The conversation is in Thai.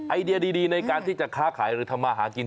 ไอเดียดีในการที่จะค้าขายหรือทำมาหากิน